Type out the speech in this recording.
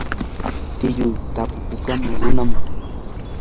tiyuu tapupakuq runam.